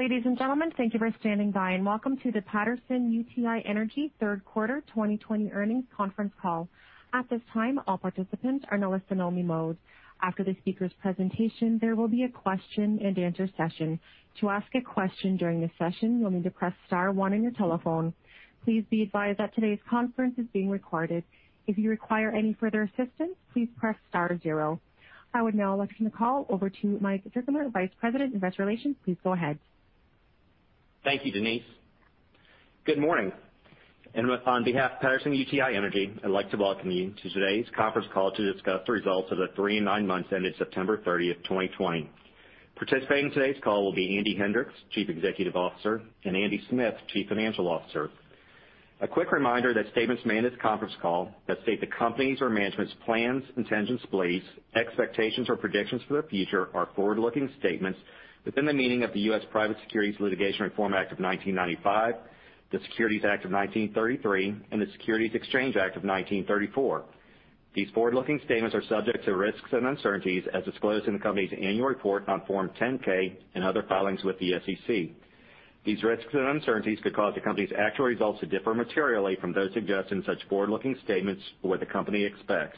Ladies and gentlemen, thank you for standing by and welcome to the Patterson-UTI Energy third quarter 2020 earnings conference call. At this time, all participants are in listen-only mode. After the speaker's presentation, there will be a question-and-answer session. To ask a question during the session, you'll need to press star one on your telephone. Please be advised that today's conference is being recorded. If you require any further assistance, please press star zero. I would now like to turn the call over to Mike Drickamer, Vice President of Investor Relations. Please go ahead. Thank you, Denise. Good morning, and on behalf of Patterson-UTI Energy, I'd like to welcome you to today's conference call to discuss the results of the three and nine months ended September 30th, 2020. Participating in today's call will be Andy Hendricks, Chief Executive Officer, and Andy Smith, Chief Financial Officer. A quick reminder that statements made in this conference call that state the company's or management's plans, intentions, beliefs, expectations, or predictions for the future are forward-looking statements within the meaning of the US Private Securities Litigation Reform Act of 1995, the Securities Act of 1933, and the Securities Exchange Act of 1934. These forward-looking statements are subject to risks and uncertainties as disclosed in the company's annual report on Form 10-K and other filings with the SEC. These risks and uncertainties could cause the company's actual results to differ materially from those suggested in such forward-looking statements or what the company expects.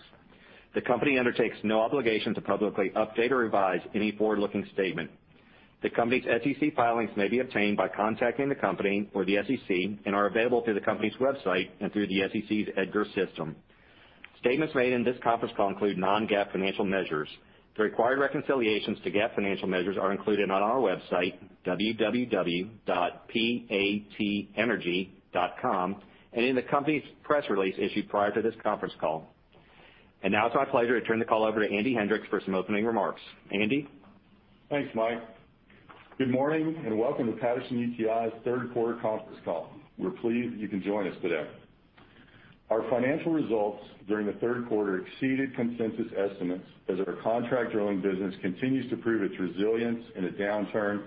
The company undertakes no obligation to publicly update or revise any forward-looking statement. The company's SEC filings may be obtained by contacting the company or the SEC and are available through the company's website and through the SEC's EDGAR system. Statements made in this conference call include non-GAAP financial measures. The required reconciliations to GAAP financial measures are included on our website, www.patenergy.com, and in the company's press release issued prior to this conference call. Now it's my pleasure to turn the call over to Andy Hendricks for some opening remarks. Andy? Thanks, Mike. Good morning and welcome to Patterson-UTI's third quarter conference call. We're pleased you can join us today. Our financial results during the third quarter exceeded consensus estimates as our contract drilling business continues to prove its resilience in a downturn,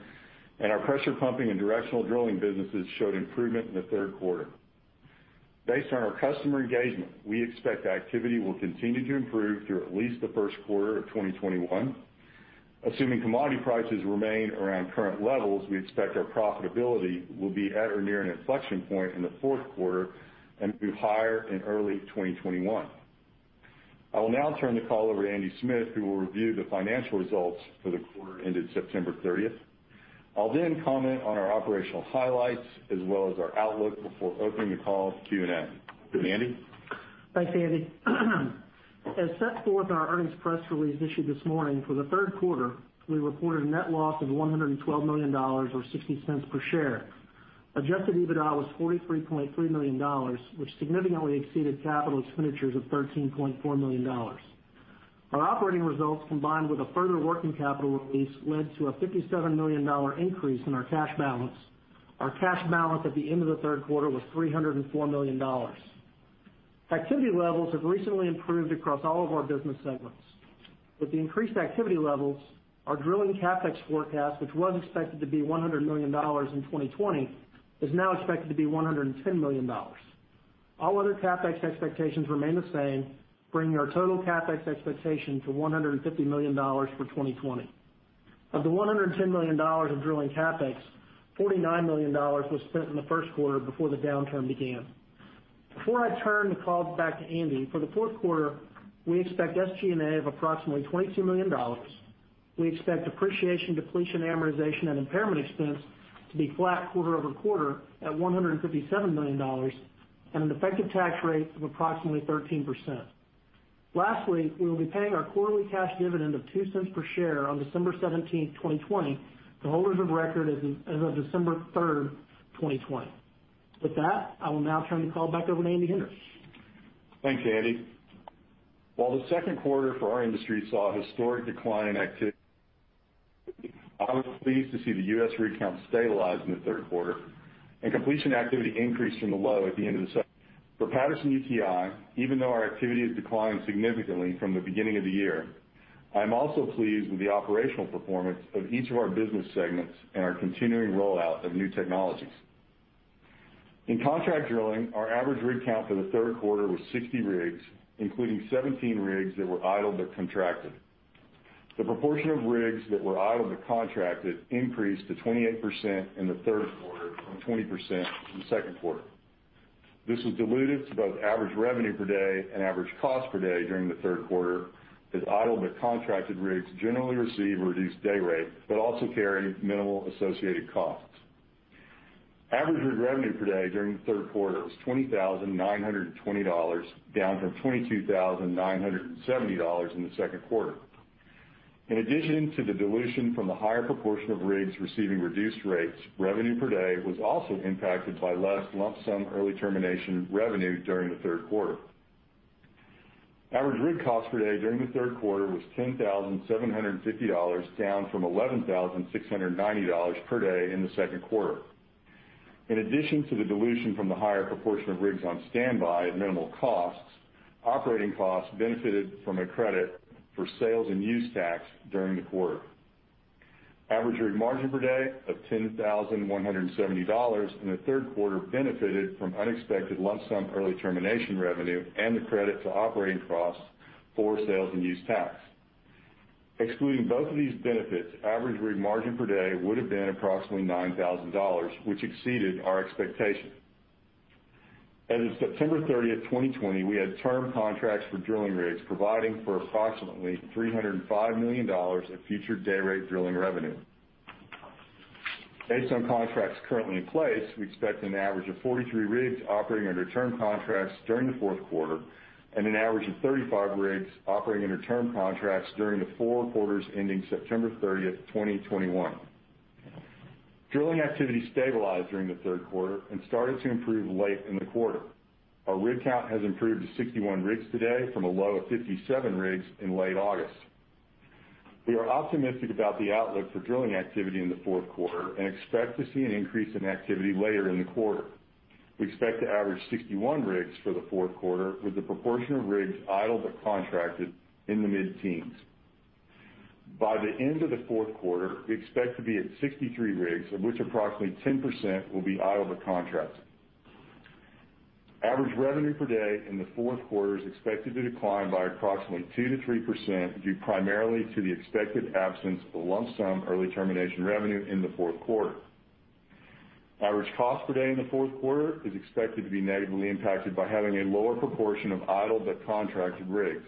and our pressure pumping and directional drilling businesses showed improvement in the third quarter. Based on our customer engagement, we expect activity will continue to improve through at least the first quarter of 2021. Assuming commodity prices remain around current levels, we expect our profitability will be at or near an inflection point in the fourth quarter and move higher in early 2021. I will now turn the call over to Andy Smith, who will review the financial results for the quarter ended September 30th. I'll comment on our operational highlights as well as our outlook before opening the call up to Q&A. Andy? Thanks, Andy. As set forth in our earnings press release issued this morning, for the third quarter, we reported a net loss of $112 million, or $0.60 per share. Adjusted EBITDA was $43.3 million, which significantly exceeded capital expenditures of $13.4 million. Our operating results, combined with a further working capital release, led to a $57 million increase in our cash balance. Our cash balance at the end of the third quarter was $304 million. Activity levels have recently improved across all of our business segments. With the increased activity levels, our drilling CapEx forecast, which was expected to be $100 million in 2020, is now expected to be $110 million. All other CapEx expectations remain the same, bringing our total CapEx expectation to $150 million for 2020. Of the $110 million of drilling CapEx, $49 million was spent in the first quarter before the downturn began. Before I turn the call back to Andy, for the fourth quarter, we expect SG&A of approximately $22 million. We expect depreciation, depletion, amortization, and impairment expense to be flat quarter-over-quarter at $157 million and an effective tax rate of approximately 13%. Lastly, we will be paying our quarterly cash dividend of $0.02 per share on December 17th, 2020, to holders of record as of December 3rd, 2020. With that, I will now turn the call back over to Andy Hendricks. Thanks, Andy. While the second quarter for our industry saw a historic decline in activity, I was pleased to see the U.S. rig count stabilize in the third quarter and completion activity increase from the low. For Patterson-UTI, even though our activity has declined significantly from the beginning of the year, I am also pleased with the operational performance of each of our business segments and our continuing rollout of new technologies. In contract drilling, our average rig count for the third quarter was 60 rigs, including 17 rigs that were idled but contracted. The proportion of rigs that were idled but contracted increased to 28% in the third quarter from 20% in the second quarter. This was dilutive to both average revenue per day and average cost per day during the third quarter, as idled but contracted rigs generally receive a reduced day rate but also carry minimal associated costs. Average rig revenue per day during the third quarter was $20,920, down from $22,970 in the second quarter. In addition to the dilution from the higher proportion of rigs receiving reduced rates, revenue per day was also impacted by less lump sum early termination revenue during the third quarter. Average rig cost per day during the third quarter was $10,750, down from $11,690 per day in the second quarter. In addition to the dilution from the higher proportion of rigs on standby at minimal costs, operating costs benefited from a credit for sales and use tax during the quarter. Average rig margin per day of $10,170 in the third quarter benefited from unexpected lump sum early termination revenue and the credit to operating costs for sales and use tax. Excluding both of these benefits, average rig margin per day would've been approximately $9,000, which exceeded our expectations. As of September 30, 2020, we had term contracts for drilling rigs providing for approximately $305 million of future day rate drilling revenue. Based on contracts currently in place, we expect an average of 43 rigs operating under term contracts during the fourth quarter and an average of 35 rigs operating under term contracts during the four quarters ending September 30, 2021. Drilling activity stabilized during the third quarter and started to improve late in the quarter. Our rig count has improved to 61 rigs today from a low of 57 rigs in late August. We are optimistic about the outlook for drilling activity in the fourth quarter and expect to see an increase in activity later in the quarter. We expect to average 61 rigs for the fourth quarter with the proportion of rigs idle but contracted in the mid-teens. By the end of the fourth quarter, we expect to be at 63 rigs, of which approximately 10% will be idle but contracted. Average revenue per day in the fourth quarter is expected to decline by approximately 2%-3%, due primarily to the expected absence of a lump sum early termination revenue in the fourth quarter. Average cost per day in the fourth quarter is expected to be negatively impacted by having a lower proportion of idle but contracted rigs.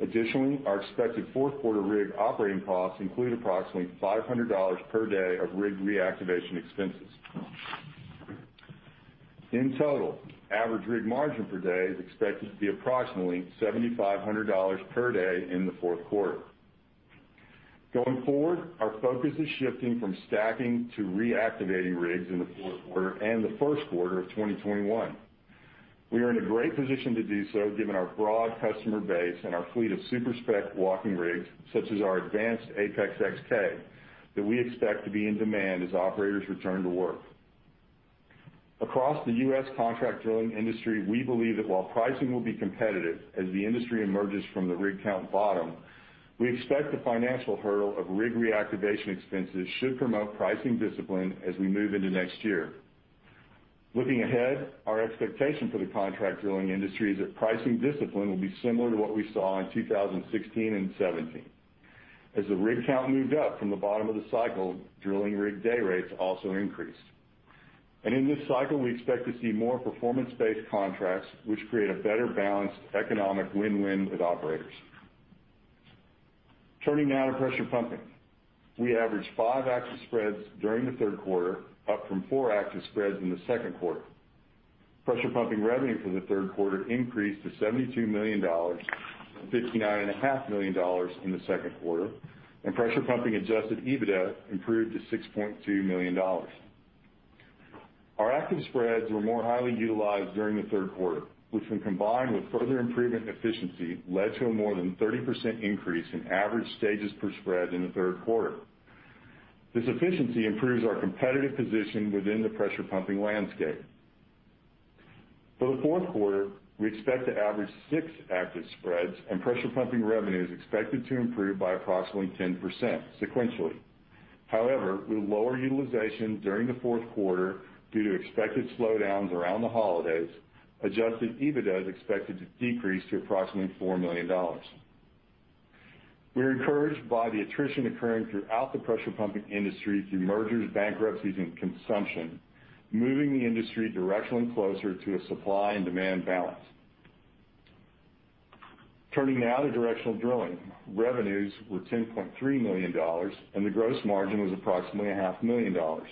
Additionally, our expected fourth quarter rig operating costs include approximately $500 per day of rig reactivation expenses. In total, average rig margin per day is expected to be approximately $7,500 per day in the fourth quarter. Going forward, our focus is shifting from stacking to reactivating rigs in the fourth quarter and the first quarter of 2021. We are in a great position to do so given our broad customer base and our fleet of super-spec walking rigs, such as our advanced APEX XK, that we expect to be in demand as operators return to work. Across the U.S. contract drilling industry, we believe that while pricing will be competitive as the industry emerges from the rig count bottom, we expect the financial hurdle of rig reactivation expenses should promote pricing discipline as we move into next year. Looking ahead, our expectation for the contract drilling industry is that pricing discipline will be similar to what we saw in 2016 and 2017. As the rig count moved up from the bottom of the cycle, drilling rig day rates also increased. In this cycle, we expect to see more performance-based contracts, which create a better balanced economic win-win with operators. Turning now to pressure pumping. We averaged five active spreads during the third quarter, up from four active spreads in the second quarter. Pressure pumping revenue for the third quarter increased to $72 million, from $59.5 million in the second quarter, and pressure pumping adjusted EBITDA improved to $6.2 million. Our active spreads were more highly utilized during the third quarter, which when combined with further improvement in efficiency, led to a more than 30% increase in average stages per spread in the third quarter. This efficiency improves our competitive position within the pressure pumping landscape. For the fourth quarter, we expect to average six active spreads. Pressure pumping revenue is expected to improve by approximately 10% sequentially. With lower utilization during the fourth quarter due to expected slowdowns around the holidays, adjusted EBITDA is expected to decrease to approximately $4 million. We're encouraged by the attrition occurring throughout the pressure pumping industry through mergers, bankruptcies, and consumption, moving the industry directionally closer to a supply and demand balance. Turning now to directional drilling. Revenues were $10.3 million. The gross margin was approximately $500,000.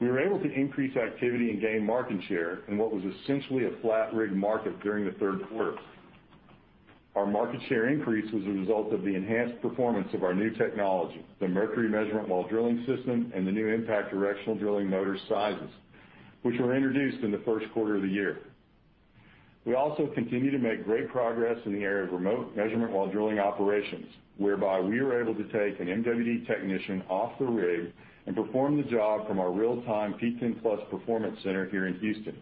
We were able to increase activity and gain market share in what was essentially a flat rig market during the third quarter. Our market share increase was a result of the enhanced performance of our new technology, the Mercury measurement-while-drilling system, and the new Mpact directional drilling motor sizes, which were introduced in the first quarter of the year. We also continue to make great progress in the area of remote measurement-while-drilling operations, whereby we are able to take an MWD technician off the rig and perform the job from our real-time PTEN+ performance center here in Houston.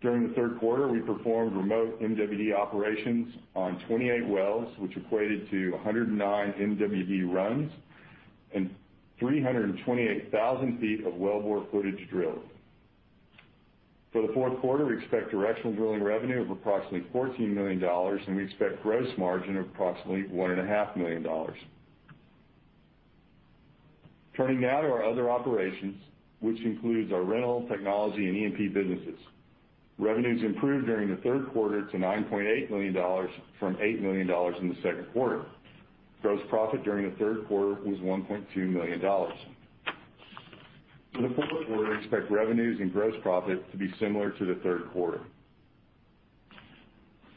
During the third quarter, we performed remote MWD operations on 28 wells, which equated to 109 MWD runs and 328,000 ft of well bore footage drilled. For the fourth quarter, we expect directional drilling revenue of approximately $14 million, and we expect gross margin of approximately $1.5 million. Turning now to our other operations, which includes our rental, technology, and E&P businesses. Revenues improved during the third quarter to $9.8 million from $8 million in the second quarter. Gross profit during the third quarter was $1.2 million. For the fourth quarter, we expect revenues and gross profit to be similar to the third quarter.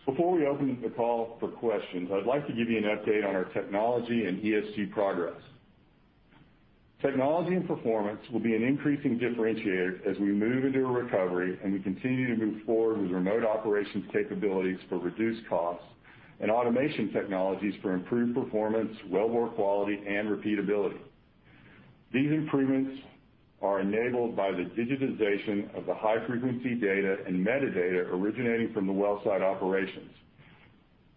Before we open the call for questions, I'd like to give you an update on our technology and ESG progress. Technology and performance will be an increasing differentiator as we move into a recovery and we continue to move forward with remote operations capabilities for reduced costs and automation technologies for improved performance, well bore quality, and repeatability. These improvements are enabled by the digitization of the high-frequency data and metadata originating from the well site operations,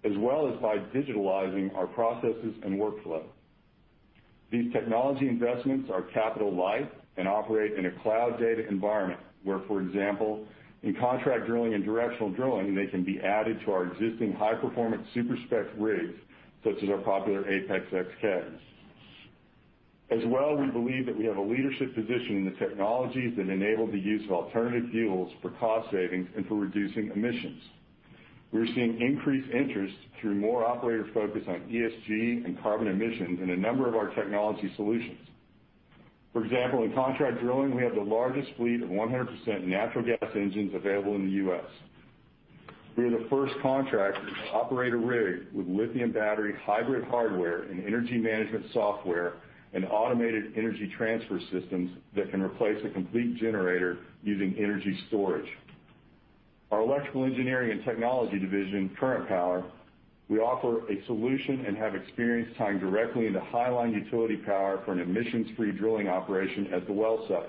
as well as by digitalizing our processes and workflow. These technology investments are capital light and operate in a cloud data environment where, for example, in contract drilling and directional drilling, they can be added to our existing high-performance super-spec rigs, such as our popular APEX XKs. As well, we believe that we have a leadership position in the technologies that enable the use of alternative fuels for cost savings and for reducing emissions. We're seeing increased interest through more operator focus on ESG and carbon emissions in a number of our technology solutions. For example, in contract drilling, we have the largest fleet of 100% natural gas engines available in the U.S. We are the first contractor to operate a rig with lithium battery hybrid hardware and energy management software and automated energy transfer systems that can replace a complete generator using energy storage. Our electrical engineering and technology division, Current Power, we offer a solution and have experience tying directly into highline utility power for an emissions-free drilling operation at the well site.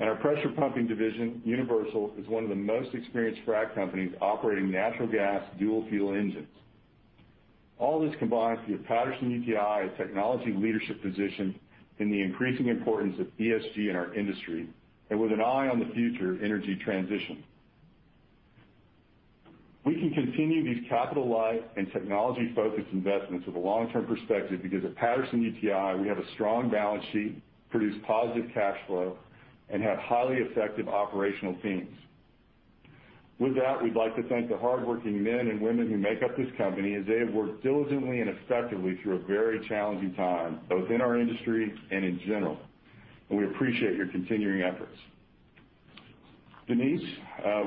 Our pressure pumping division, Universal, is one of the most experienced frac companies operating natural gas dual fuel engines. All this combines to give Patterson-UTI a technology leadership position in the increasing importance of ESG in our industry and with an eye on the future of energy transition. We can continue these capitalized and technology-focused investments with a long-term perspective because at Patterson-UTI, we have a strong balance sheet, produce positive cash flow, and have highly effective operational teams. With that, we'd like to thank the hardworking men and women who make up this company as they have worked diligently and effectively through a very challenging time, both in our industry and in general. We appreciate your continuing efforts. Denise,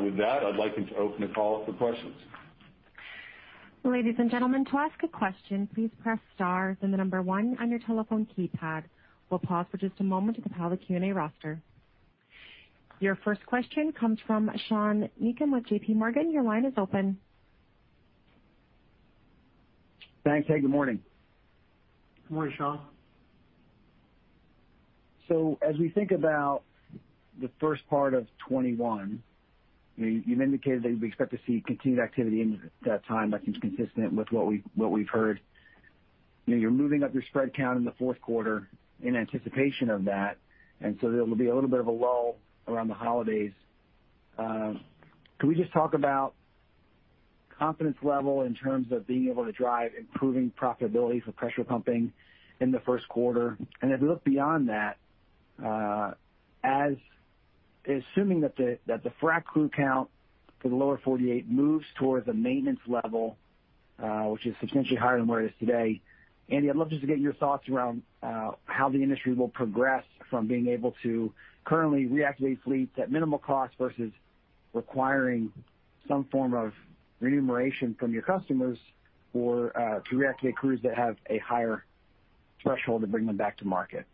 with that, I'd like to open the call up for questions. Your first question comes from Sean Meakim with JPMorgan. Your line is open. Thanks. Hey, good morning. Good morning, Sean. As we think about the first part of 2021, you've indicated that we expect to see continued activity in that time. That seems consistent with what we've heard. You're moving up your spread count in the fourth quarter in anticipation of that, and so there'll be a little bit of a lull around the holidays. Can we just talk about confidence level in terms of being able to drive improving profitability for pressure pumping in the first quarter? Look beyond that, assuming that the frac crew count for the lower 48 moves towards a maintenance level, which is substantially higher than where it is today. Andy, I'd love just to get your thoughts around how the industry will progress from being able to currently reactivate fleets at minimal cost versus requiring some form of remuneration from your customers to reactivate crews that have a higher threshold to bring them back to market?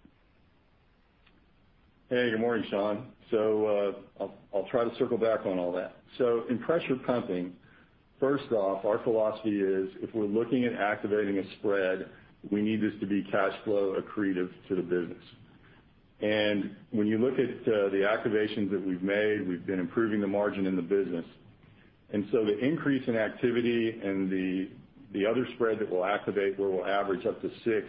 Hey, good morning, Sean. I'll try to circle back on all that. In pressure pumping, first off, our philosophy is if we're looking at activating a spread, we need this to be cash flow accretive to the business. When you look at the activations that we've made, we've been improving the margin in the business. The increase in activity and the other spread that we'll activate, where we'll average up to six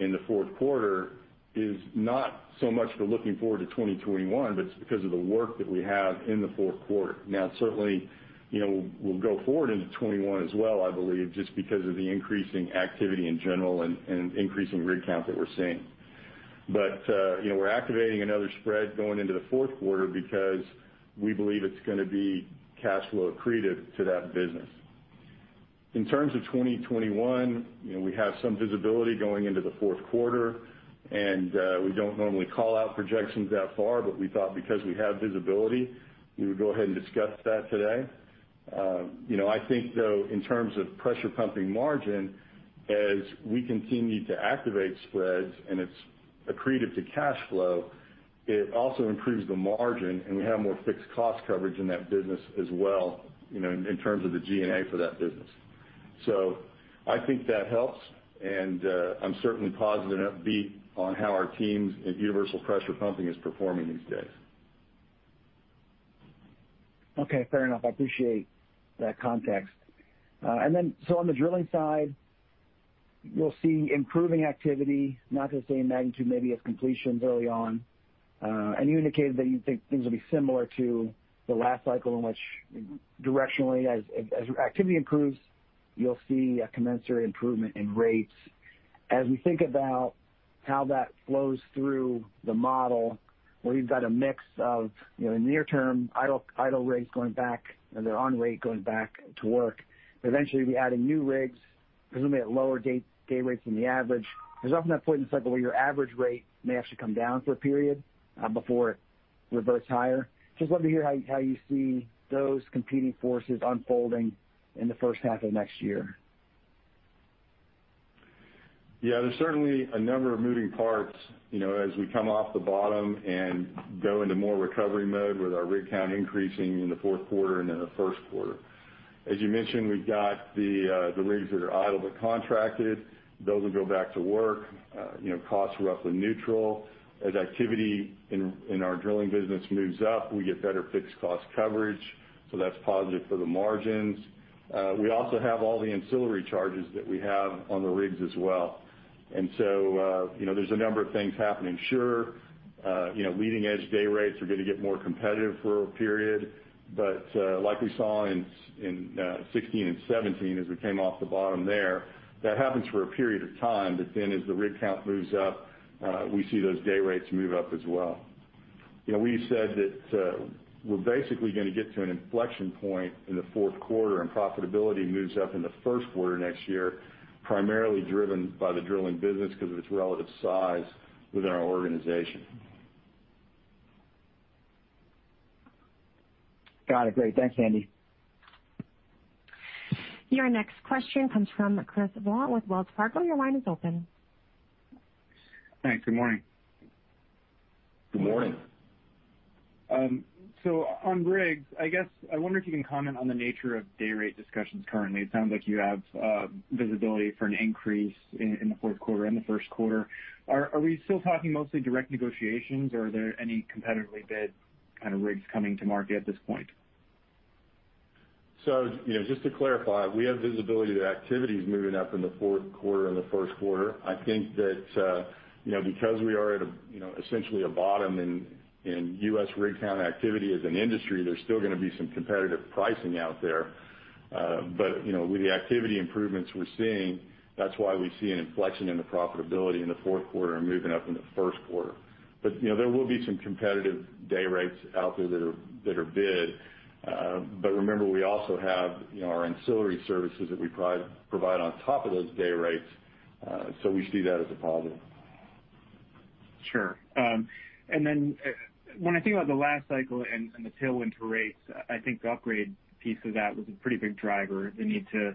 in the fourth quarter, is not so much for looking forward to 2021, but it's because of the work that we have in the fourth quarter. Now, certainly, we'll go forward into 2021 as well, I believe, just because of the increasing activity in general and increasing rig count that we're seeing. We're activating another spread going into the fourth quarter because we believe it's going to be cash flow accretive to that business. In terms of 2021, we have some visibility going into the fourth quarter, and we don't normally call out projections that far, but we thought because we have visibility, we would go ahead and discuss that today. I think, though, in terms of pressure pumping margin, as we continue to activate spreads and it's accretive to cash flow, it also improves the margin, and we have more fixed cost coverage in that business as well, in terms of the G&A for that business. I think that helps, and I'm certainly positive and upbeat on how our teams at Universal Pressure Pumping is performing these days. Okay, fair enough. I appreciate that context. On the drilling side, you'll see improving activity, not to the same magnitude maybe as completions early on. You indicated that you think things will be similar to the last cycle in which directionally, as activity improves, you'll see a commensurate improvement in rates. As we think about how that flows through the model, where you've got a mix of near-term idle rates going back, and they're on rate going back to work, but eventually adding new rigs, presumably at lower day rates than the average. There's often that point in the cycle where your average rate may actually come down for a period before it reverts higher. Just love to hear how you see those competing forces unfolding in the first half of next year? There's certainly a number of moving parts, as we come off the bottom and go into more recovery mode with our rig count increasing in the fourth quarter and in the first quarter. As you mentioned, we've got the rigs that are idle but contracted. Those will go back to work. Costs were roughly neutral. As activity in our drilling business moves up, we get better fixed cost coverage, so that's positive for the margins. We also have all the ancillary charges that we have on the rigs as well. There's a number of things happening. Sure, leading edge day rates are going to get more competitive for a period, but like we saw in 2016 and 2017, as we came off the bottom there, that happens for a period of time, but then as the rig count moves up, we see those day rates move up as well. We said that we're basically going to get to an inflection point in the fourth quarter, and profitability moves up in the first quarter next year, primarily driven by the drilling business because of its relative size within our organization. Got it. Great. Thanks, Andy. Your next question comes from Chris Voie with Wells Fargo. Your line is open. Thanks. Good morning. Good morning. On rigs, I wonder if you can comment on the nature of day rate discussions currently. It sounds like you have visibility for an increase in the fourth quarter and the first quarter. Are we still talking mostly direct negotiations, or are there any competitively bid rigs coming to market at this point? Just to clarify, we have visibility that activity is moving up in the fourth quarter and the first quarter. I think that because we are at essentially a bottom in U.S. rig count activity as an industry, there's still going to be some competitive pricing out there. With the activity improvements we're seeing, that's why we see an inflection in the profitability in the fourth quarter and moving up in the first quarter. There will be some competitive day rates out there that are bid. Remember, we also have our ancillary services that we provide on top of those day rates. We see that as a positive. Sure. Then when I think about the last cycle and the tailwind to rates, I think the upgrade piece of that was a pretty big driver, the need to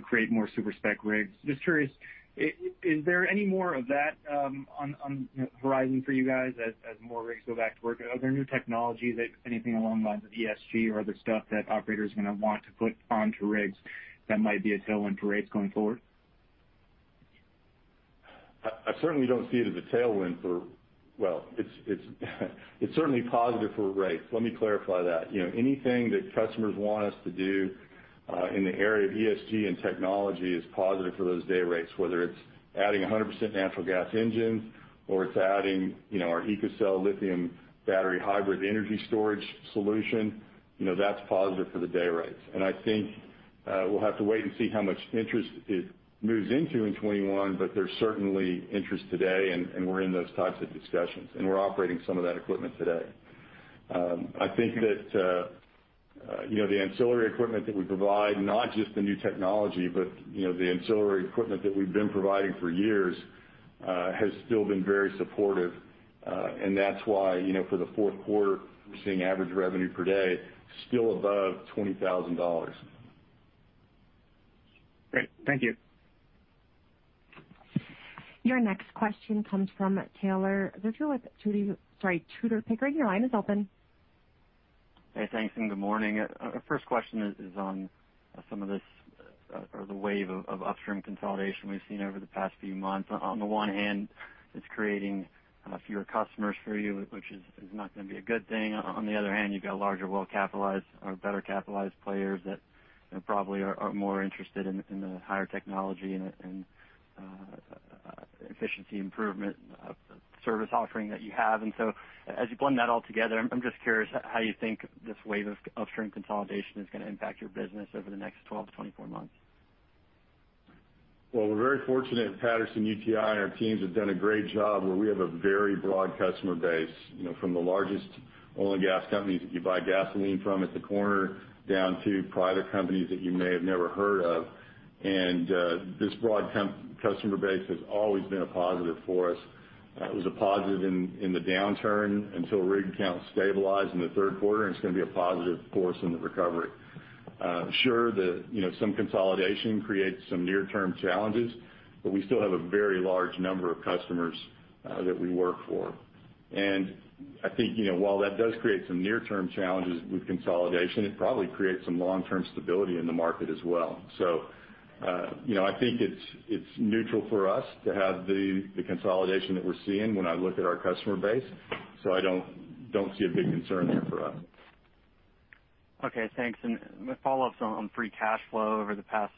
create more super-spec rigs. Just curious, is there any more of that on the horizon for you guys as more rigs go back to work? Are there new technologies, anything along the lines of ESG or other stuff that operators are going to want to put onto rigs that might be a tailwind for rates going forward? Well, it's certainly positive for rates. Let me clarify that. Anything that customers want us to do in the area of ESG and technology is positive for those day rates, whether it's adding 100% natural gas engines, or it's adding our EcoCell lithium battery hybrid energy storage solution. That's positive for the day rates. I think we'll have to wait and see how much interest it moves into in 2021, but there's certainly interest today, and we're in those types of discussions, and we're operating some of that equipment today. I think that the ancillary equipment that we provide, not just the new technology, but the ancillary equipment that we've been providing for years, has still been very supportive. That's why for the fourth quarter, we're seeing average revenue per day still above $20,000. Great. Thank you. Your next question comes from Taylor Zurcher with Tudor, Pickering. Your line is open. Hey, thanks, and good morning. Our first question is on some of this, or the wave of upstream consolidation we've seen over the past few months. On the one hand, it's creating fewer customers for you, which is not going to be a good thing. On the other hand, you've got larger, well-capitalized, or better capitalized players that probably are more interested in the higher technology and efficiency improvement of the service offering that you have. As you blend that all together, I'm just curious how you think this wave of upstream consolidation is going to impact your business over the next 12 to 24 months? Well, we're very fortunate at Patterson-UTI, our teams have done a great job where we have a very broad customer base. From the largest oil and gas companies that you buy gasoline from at the corner, down to private companies that you may have never heard of. This broad customer base has always been a positive for us. It was a positive in the downturn until rig count stabilized in the third quarter, and it's going to be a positive, of course, in the recovery. Sure, some consolidation creates some near-term challenges, but we still have a very large number of customers that we work for. I think, while that does create some near-term challenges with consolidation, it probably creates some long-term stability in the market as well. I think it's neutral for us to have the consolidation that we're seeing when I look at our customer base. I don't see a big concern there for us. My follow-up's on free cash flow over the past,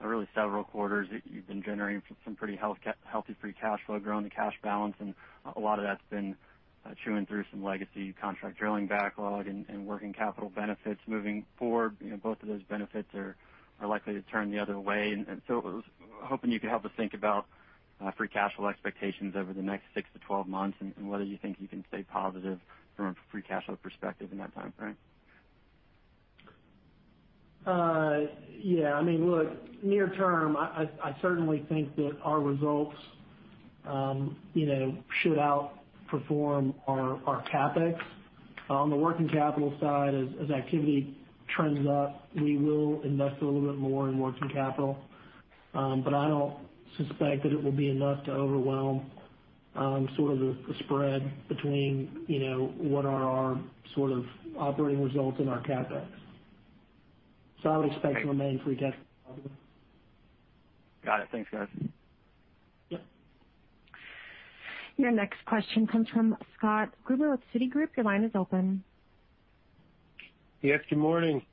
really several quarters. You've been generating some pretty healthy free cash flow, growing the cash balance, and a lot of that's been chewing through some legacy contract drilling backlog and working capital benefits. Moving forward, both of those benefits are likely to turn the other way. I was hoping you could help us think about free cash flow expectations over the next 6-12 months, and whether you think you can stay positive from a free cash flow perspective in that time frame. Look, near term, I certainly think that our results should outperform our CapEx. On the working capital side, as activity trends up, we will invest a little bit more in working capital. I don't suspect that it will be enough to overwhelm sort of the spread between what are our sort of operating results and our CapEx. I would expect to remain free cash flow positive. Got it. Thanks, guys. Yep. Your next question comes from Scott Gruber with Citigroup. Your line is open. Yes, good morning.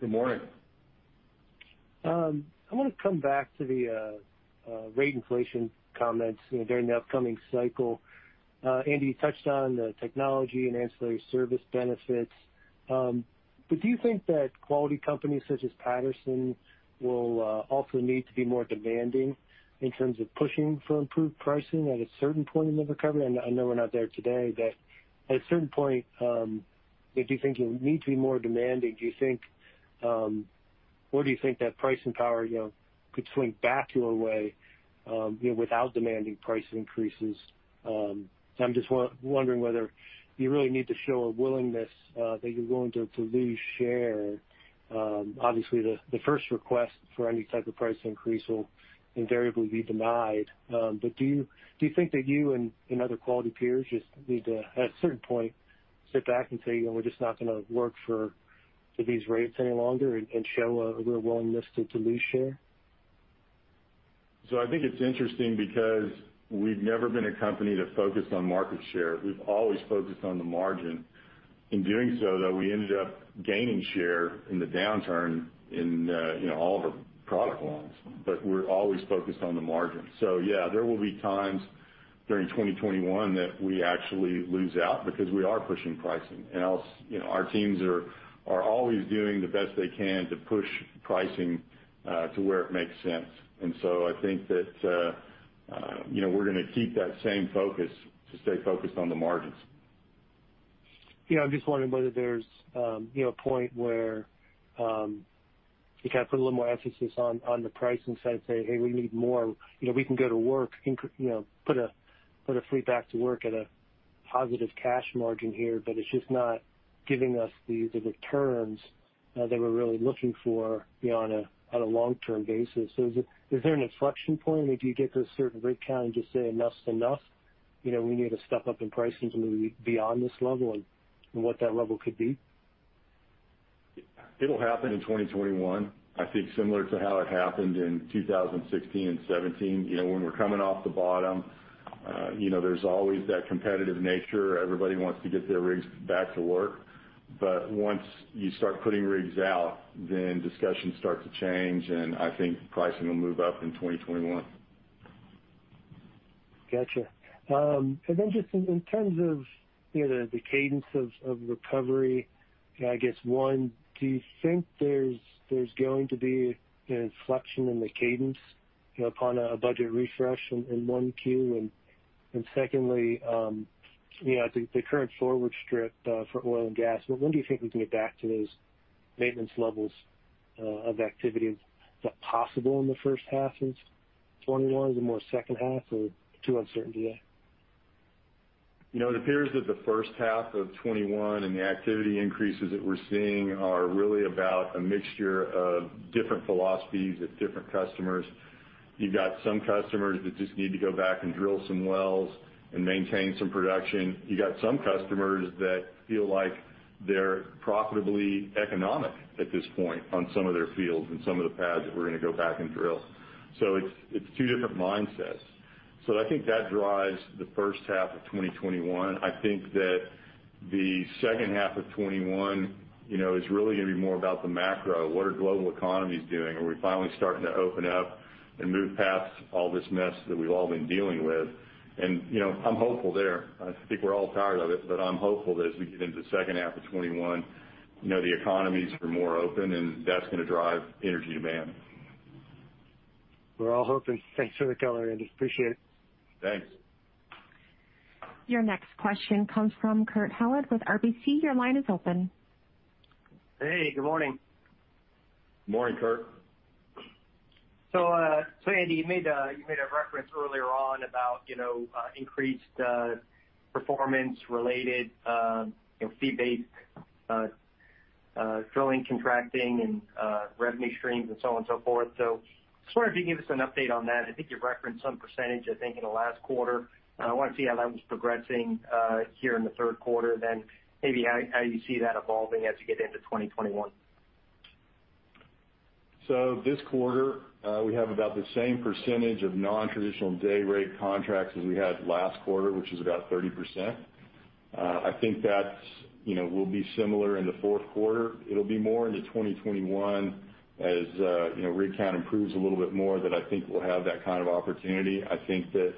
Good morning. I want to come back to the rate inflation comments during the upcoming cycle. Andy, you touched on the technology and ancillary service benefits. Do you think that quality companies such as Patterson will also need to be more demanding in terms of pushing for improved pricing at a certain point in the recovery? I know we're not there today, but at a certain point, do you think you'll need to be more demanding? Do you think that pricing power could swing back your way without demanding price increases? I'm just wondering whether you really need to show a willingness that you're willing to lose share. Obviously, the first request for any type of price increase will invariably be denied. Do you think that you and other quality peers just need to, at a certain point, sit back and say, "We're just not going to work for these rates any longer," and show a real willingness to lose share? I think it's interesting because we've never been a company that focused on market share. We've always focused on the margin. In doing so, though, we ended up gaining share in the downturn in all of our product lines. We're always focused on the margin. Yeah, there will be times during 2021 that we actually lose out because we are pushing pricing, and our teams are always doing the best they can to push pricing to where it makes sense. I think that we're going to keep that same focus, to stay focused on the margins. Yeah. I'm just wondering whether there's a point where you kind of put a little more emphasis on the pricing side and say, "Hey, we need more. We can go to work, put a fleet back to work at a positive cash margin here, but it's just not giving us the returns that we're really looking for on a long-term basis." Is there an inflection point? If you get to a certain rig count and just say, "Enough's enough. We need to step up in pricing to move beyond this level," and what that level could be? It'll happen in 2021, I think similar to how it happened in 2016 and 2017. When we're coming off the bottom, there's always that competitive nature. Everybody wants to get their rigs back to work. Once you start putting rigs out, then discussions start to change, and I think pricing will move up in 2021. Gotcha. Just in terms of the cadence of recovery, I guess, one, do you think there's going to be an inflection in the cadence upon a budget refresh in 1Q? Secondly, the current forward strip for oil and gas, when do you think we can get back to those maintenance levels of activity? Is that possible in the first half of 2021? Is it more second half, or too uncertain today? It appears that the first half of 2021 and the activity increases that we're seeing are really about a mixture of different philosophies at different customers. You've got some customers that just need to go back and drill some wells and maintain some production. You've got some customers that feel like they're profitably economic at this point on some of their fields and some of the pads that we're going to go back and drill. It's two different mindsets. I think that drives the first half of 2021. I think that the second half of 2021 is really going to be more about the macro. What are global economies doing? Are we finally starting to open up and move past all this mess that we've all been dealing with? I'm hopeful there. I think we're all tired of it, but I'm hopeful that as we get into the second half of 2021, the economies are more open, and that's gonna drive energy demand. We're all hoping. Thanks for the color, Andy. Appreciate it. Thanks. Your next question comes from Kurt Hallead with RBC. Your line is open. Hey, good morning. Morning, Kurt. Andy, you made a reference earlier on about increased performance-related, fee-based drilling, contracting, and revenue streams, and so on and so forth. I was wondering if you could give us an update on that. I think you referenced some percentage, I think, in the last quarter. I want to see how that one's progressing here in the third quarter, then maybe how you see that evolving as we get into 2021. This quarter, we have about the same percentage of non-traditional day rate contracts as we had last quarter, which is about 30%. I think that will be similar in the fourth quarter. It'll be more into 2021 as rig count improves a little bit more, that I think we'll have that kind of opportunity. I think that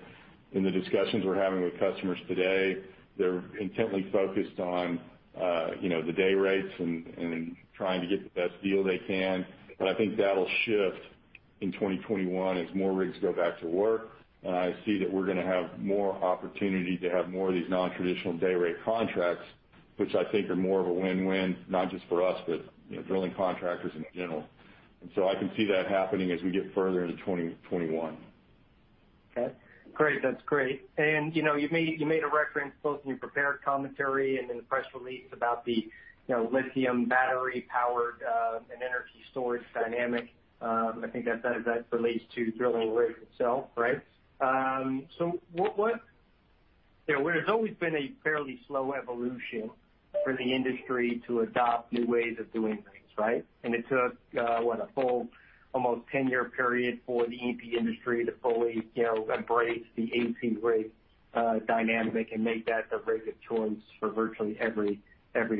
in the discussions we're having with customers today, they're intently focused on the day rates and trying to get the best deal they can. I think that'll shift in 2021 as more rigs go back to work. I see that we're gonna have more opportunity to have more of these non-traditional day rate contracts, which I think are more of a win-win, not just for us, but drilling contractors in general. I can see that happening as we get further into 2021. Okay. Great. That's great. You made a reference both in your prepared commentary and in the press release about the lithium battery-powered and energy storage dynamic. I think that relates to drilling rigs itself, right? There's always been a fairly slow evolution for the industry to adopt new ways of doing things, right? It took, what, a full almost 10-year period for the E&P industry to fully embrace the AC rig dynamic and make that the rig of choice for virtually every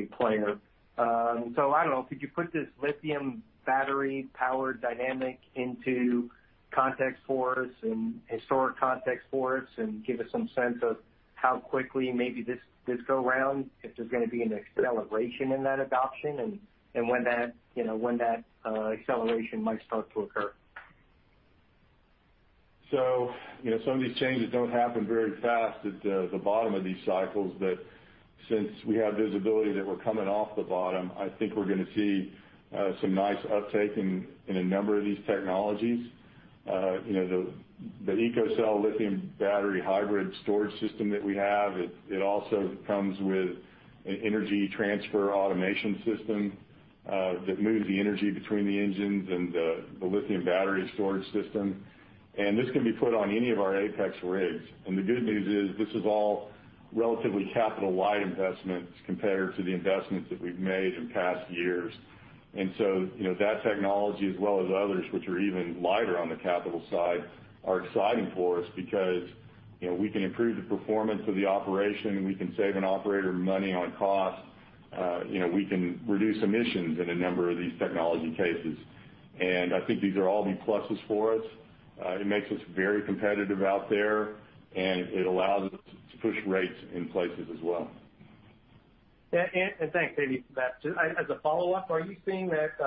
player. I don't know, could you put this lithium battery powered dynamic into context for us, in historic context for us, and give us some sense of how quickly maybe this go round, if there's going to be an acceleration in that adoption and when that acceleration might start to occur? Some of these changes don't happen very fast at the bottom of these cycles. Since we have visibility that we're coming off the bottom, I think we're going to see some nice uptake in a number of these technologies. The EcoCell lithium battery hybrid storage system that we have, it also comes with an energy transfer automation system that moves the energy between the engines and the lithium battery storage system. This can be put on any of our APEX rigs. The good news is this is all relatively capital-light investments compared to the investments that we've made in past years. That technology as well as others, which are even lighter on the capital side, are exciting for us because we can improve the performance of the operation, we can save an operator money on cost, we can reduce emissions in a number of these technology cases. I think these are all going to be pluses for us. It makes us very competitive out there, and it allows us to push rates in places as well. Yeah. Thanks, Andy, for that, too. As a follow-up, are you seeing that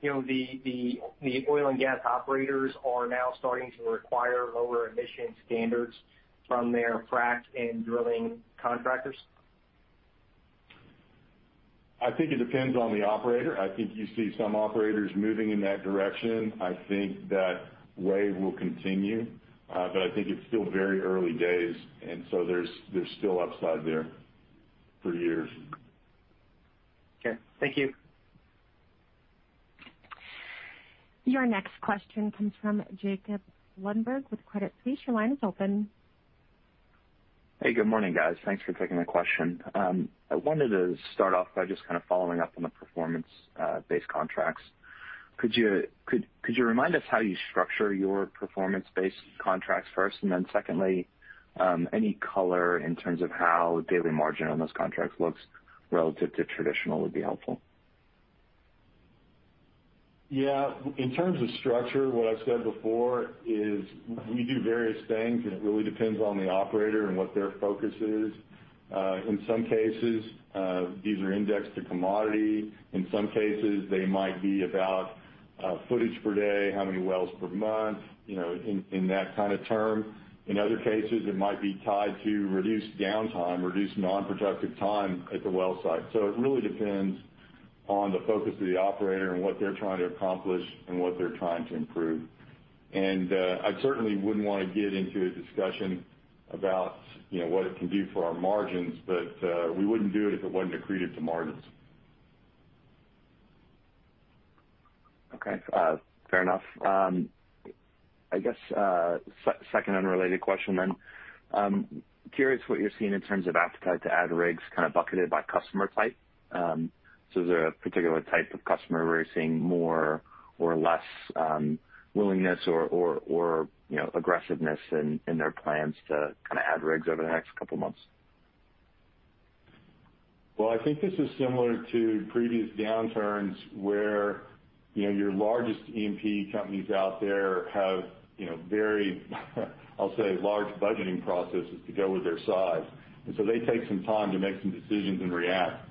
the oil and gas operators are now starting to require lower emission standards from their frack and drilling contractors? I think it depends on the operator. I think you see some operators moving in that direction. I think that wave will continue, but I think it's still very early days, and so there's still upside there for years. Okay. Thank you. Your next question comes from Jacob Lundberg with Credit Suisse. Your line is open. Hey, good morning, guys. Thanks for taking my question. I wanted to start off by just kind of following up on the performance-based contracts. Could you remind us how you structure your performance-based contracts first? Secondly, any color in terms of how daily margin on those contracts looks relative to traditional would be helpful. Yeah. In terms of structure, what I've said before is we do various things, and it really depends on the operator and what their focus is. In some cases, these are indexed to commodity. In some cases, they might be about footage per day, how many wells per month, in that kind of term. In other cases, it might be tied to reduced downtime, reduced non-productive time at the well site. It really depends on the focus of the operator and what they're trying to accomplish and what they're trying to improve. I certainly wouldn't want to get into a discussion about what it can do for our margins, but we wouldn't do it if it wasn't accretive to margins. Okay. Fair enough. I guess, second unrelated question. Curious what you're seeing in terms of appetite to add rigs kind of bucketed by customer type. Is there a particular type of customer where you're seeing more or less willingness or aggressiveness in their plans to kind of add rigs over the next couple of months? Well, I think this is similar to previous downturns where your largest E&P companies out there have very I'll say, large budgeting processes to go with their size. They take some time to make some decisions and react.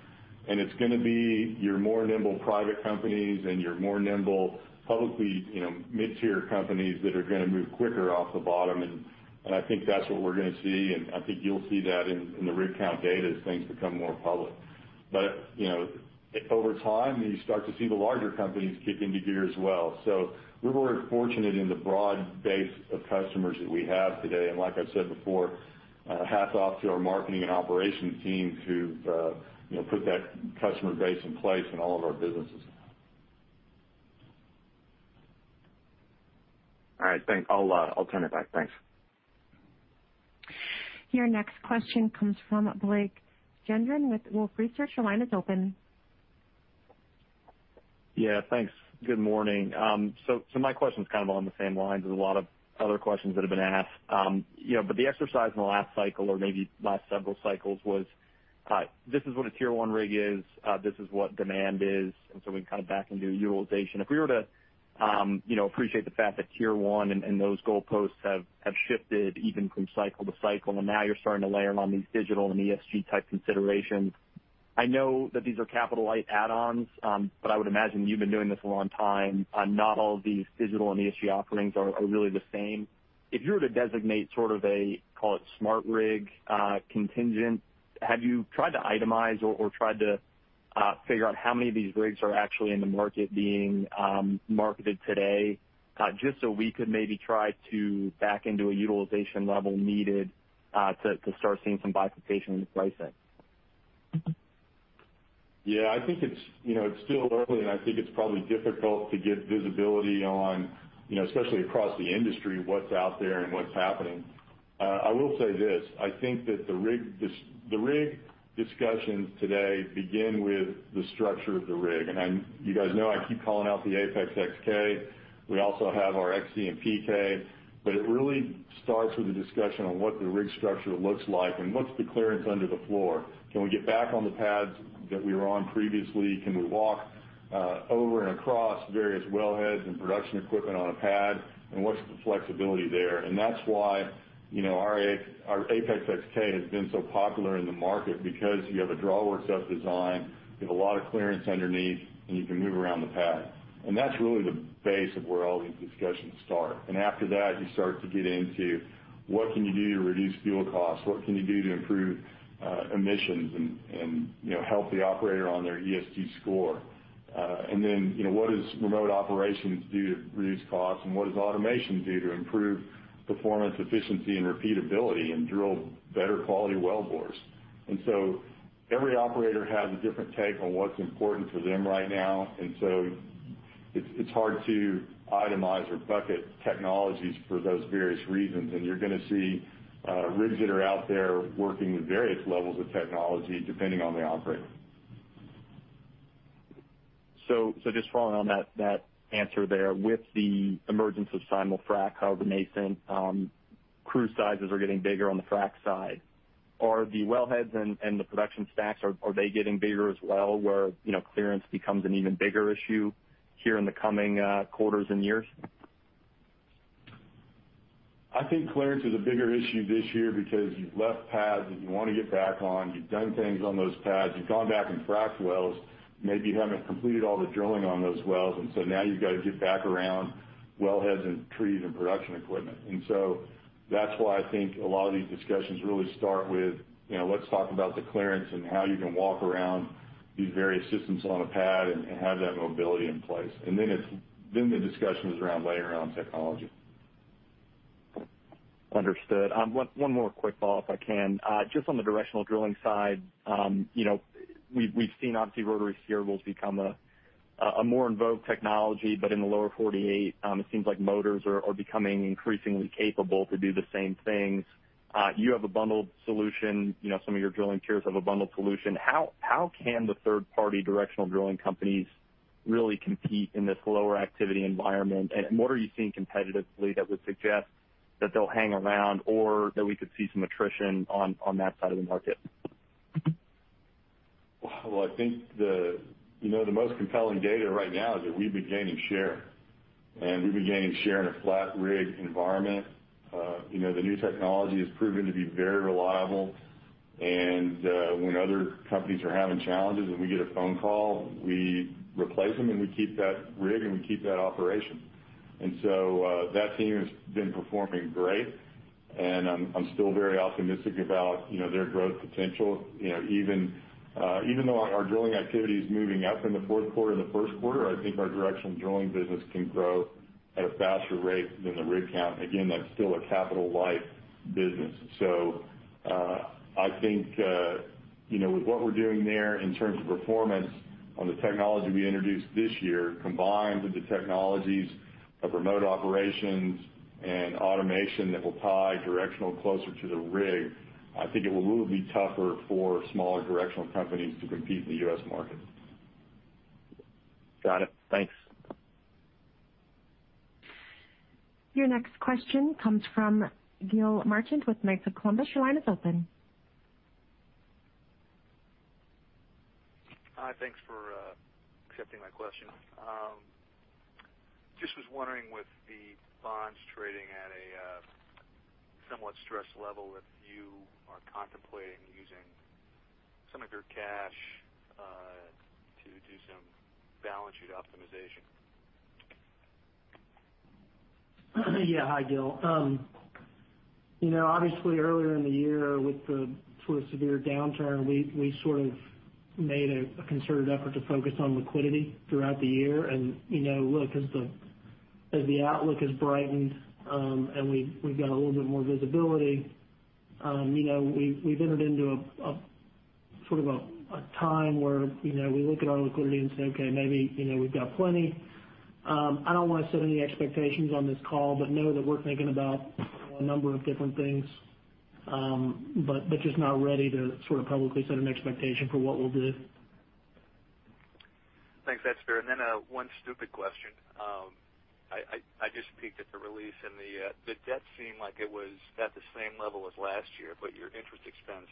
It's going to be your more nimble private companies and your more nimble publicly mid-tier companies that are going to move quicker off the bottom. I think that's what we're going to see, and I think you'll see that in the rig count data as things become more public. Over time, you start to see the larger companies kick into gear as well. We're very fortunate in the broad base of customers that we have today. Like I said before, hats off to our marketing and operations team who've put that customer base in place in all of our businesses. All right, thanks. I'll turn it back. Thanks. Your next question comes from Blake Gendron with Wolfe Research. Your line is open. Yeah, thanks. Good morning. My question's kind of on the same lines as a lot of other questions that have been asked. The exercise in the last cycle or maybe last several cycles was, this is what a Tier one rig is, this is what demand is, and so we can kind of back into utilization. If we were to appreciate the fact that Tier one and those goalposts have shifted even from cycle to cycle, and now you're starting to layer on these digital and ESG type considerations. I know that these are capital-light add-ons, but I would imagine you've been doing this a long time. Not all of these digital and ESG offerings are really the same. If you were to designate sort of a, call it smart rig contingent, have you tried to itemize or tried to figure out how many of these rigs are actually in the market being marketed today, just so we could maybe try to back into a utilization level needed to start seeing some bifurcation in the pricing? Yeah, I think it's still early, I think it's probably difficult to get visibility on, especially across the industry, what's out there and what's happening. I will say this, I think that the rig discussions today begin with the structure of the rig. You guys know I keep calling out the APEX-XK. We also have our XC and PK, it really starts with a discussion on what the rig structure looks like and what's the clearance under the floor. Can we get back on the pads that we were on previously? Can we walk over and across various wellheads and production equipment on a pad? What's the flexibility there? That's why our APEX-XK has been so popular in the market because you have a draw works up design, you have a lot of clearance underneath, and you can move around the pad. That's really the base of where all these discussions start. After that, you start to get into what can you do to reduce fuel costs? What can you do to improve emissions and help the operator on their ESG score? Then, what does remote operations do to reduce costs? What does automation do to improve performance, efficiency, and repeatability and drill better quality wellbores? Every operator has a different take on what's important for them right now, and so it's hard to itemize or bucket technologies for those various reasons. You're going to see rigs that are out there working with various levels of technology, depending on the operator. Just following on that answer there. With the emergence of simul-frac, however nascent, crew sizes are getting bigger on the frac side. Are the wellheads and the production stacks, are they getting bigger as well, where clearance becomes an even bigger issue here in the coming quarters and years? I think clearance is a bigger issue this year because you've left pads that you want to get back on. You've done things on those pads. You've gone back and fracked wells, maybe haven't completed all the drilling on those wells. Now you've got to get back around wellheads and trees and production equipment. That's why I think a lot of these discussions really start with, let's talk about the clearance and how you can walk around these various systems on a pad and have that mobility in place. The discussion is around layering on technology. Understood. One more quick ball, if I can. Just on the directional drilling side. We've seen, obviously, rotary steerables become a more in vogue technology, but in the lower 48, it seems like motors are becoming increasingly capable to do the same things. You have a bundled solution. Some of your drilling tiers have a bundled solution. How can the third-party directional drilling companies really compete in this lower activity environment? What are you seeing competitively that would suggest that they'll hang around or that we could see some attrition on that side of the market? I think the most compelling data right now is that we've been gaining share. We've been gaining share in a flat rig environment. The new technology has proven to be very reliable, and when other companies are having challenges and we get a phone call, we replace them, and we keep that rig, and we keep that operation. That team has been performing great, and I'm still very optimistic about their growth potential. Even though our drilling activity is moving up in the fourth quarter and the first quarter, I think our directional drilling business can grow at a faster rate than the rig count. Again, that's still a capital light business. I think, with what we're doing there in terms of performance on the technology we introduced this year, combined with the technologies of remote operations and automation that will tie directional closer to the rig, I think it will really be tougher for smaller directional companies to compete in the U.S. market. Got it. Thanks. Your next question comes from Gilles Marchand with Knights of Columbus. Your line is open. Hi, thanks for accepting my question. Just was wondering, with the bonds trading at a somewhat stressed level, if you are contemplating using some of your cash to do some balance sheet optimization? Yeah. Hi, Gilles. Obviously, earlier in the year with the sort of severe downturn, we sort of made a concerted effort to focus on liquidity throughout the year. Look, as the outlook has brightened, and we've got a little bit more visibility, we've entered into a time where we look at our liquidity and say, "Okay, maybe, we've got plenty." I don't want to set any expectations on this call, but know that we're thinking about a number of different things. Just not ready to sort of publicly set an expectation for what we'll do. Thanks. That's fair. One stupid question. I just peeked at the release, and the debt seemed like it was at the same level as last year, but your interest expense,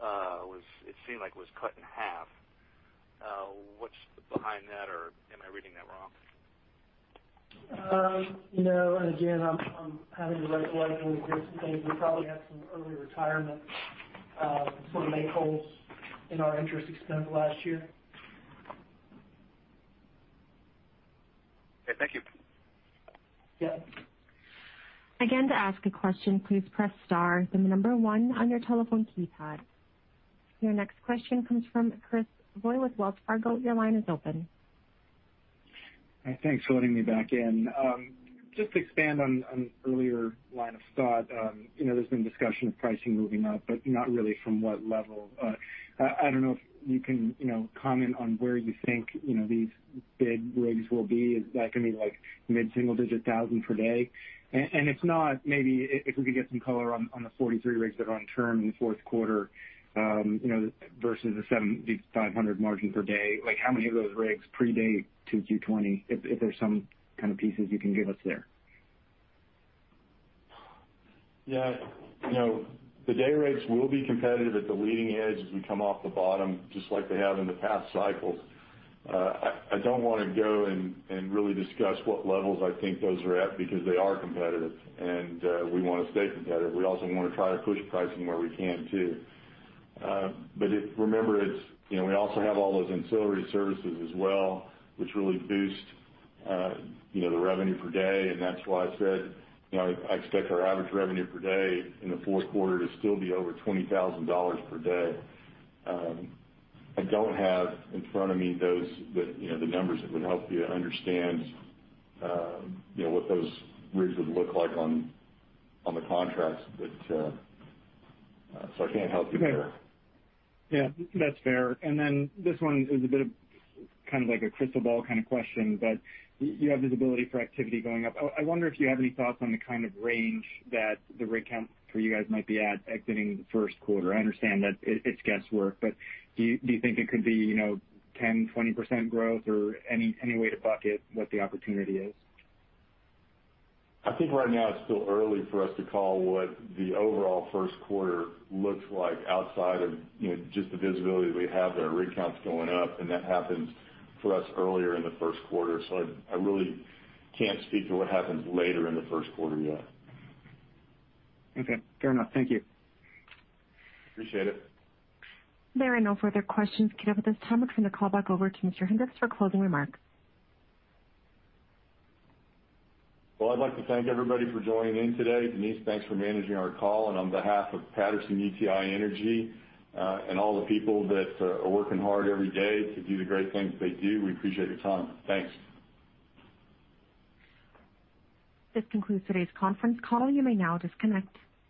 it seemed like was cut in half. What's behind that? Am I reading that wrong? No. Again, I'm having to wrestle with a few different things. We probably had some early retirement, sort ofmake-wholes in our interest expense last year. Okay, thank you. Yeah. Your next question comes from Chris Voie with Wells Fargo. Your line is open. Thanks for letting me back in. To expand on an earlier line of thought. There's been discussion of pricing moving up, not really from what level. I don't know if you can comment on where you think these big rigs will be. Is that going to be $ mid-single digit thousand per day? If not, maybe if we could get some color on the 43 rigs that are on term in the fourth quarter versus the $7,500 margin per day. How many of those rigs predate to Q2 '20? If there's some kind of pieces you can give us there. Yeah. The day rates will be competitive at the leading edge as we come off the bottom, just like they have in the past cycles. I don't want to go and really discuss what levels I think those are at, because they are competitive, and we want to stay competitive. We also want to try to push pricing where we can too. Remember, we also have all those ancillary services as well, which really boost the revenue per day, and that's why I said I expect our average revenue per day in the fourth quarter to still be over $20,000 per day. I don't have in front of me the numbers that would help you understand what those rigs would look like on the contracts. I can't help you there. Yeah, that's fair. Then this one is a bit of a crystal ball kind of question, but you have visibility for activity going up. I wonder if you have any thoughts on the kind of range that the rig count for you guys might be at exiting the first quarter. I understand that it's guesswork, but do you think it could be 10%, 20% growth or any way to bucket what the opportunity is? I think right now it's still early for us to call what the overall first quarter looks like outside of just the visibility that we have there. Rig count's going up, that happens for us earlier in the first quarter. I really can't speak to what happens later in the first quarter yet. Okay. Fair enough. Thank you. Appreciate it. There are no further questions, Kevin, at this time. I'll turn the call back over to Mr. Hendricks for closing remarks. Well, I'd like to thank everybody for joining in today. Denise, thanks for managing our call, and on behalf of Patterson-UTI Energy, and all the people that are working hard every day to do the great things they do, we appreciate your time. Thanks. This concludes today's conference call. You may now disconnect.